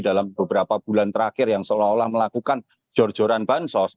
dalam beberapa bulan terakhir yang seolah olah melakukan jor joran bansos